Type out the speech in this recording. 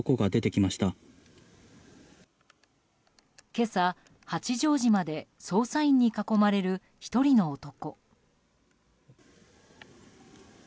今朝、八丈島で捜査員に囲まれる１人の男。